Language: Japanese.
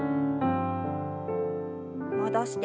戻して。